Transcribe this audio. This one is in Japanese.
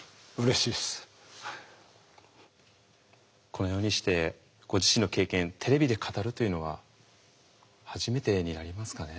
このようにしてご自身の経験テレビで語るというのは初めてになりますかね。